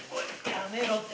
やめろって。